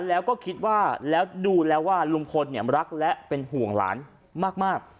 แล้วก็คิดว่าแล้วดูแล้วว่าลุงพลรักและเป็นห่วงหลานมาก